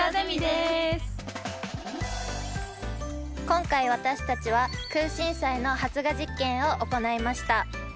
今回私たちはクウシンサイの発芽実験を行いました。